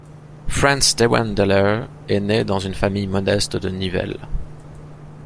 Franz Dewandelaer est né dans une famille modeste de Nivelles.